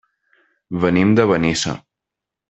Venim de Benissa.